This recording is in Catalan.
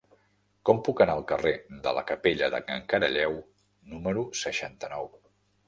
Com puc anar al carrer de la Capella de Can Caralleu número seixanta-nou?